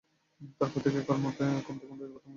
তারপর থেকে তা কমতে কমতে বর্তমান অবস্থায় এসে পৌঁছেছে।